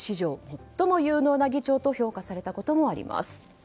最も有能な議長と評価されたこともあります。